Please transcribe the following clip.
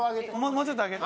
もうちょっと上げて・